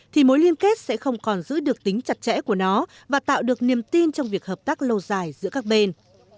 thì mối liên kết sẽ không còn giữ được tính chặt chẽ của nó và tạo được niềm tin trong việc hợp tác lâu dài giữa các bên